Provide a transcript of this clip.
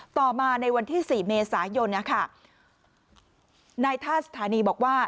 ต่อมาในวันที่สี่เมษายนนะคะนายท่าสถานีบอกว่า